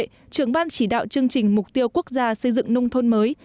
trưởng ban chỉ đạo chương trình mục tiêu quốc gia xây dựng nông thôn mới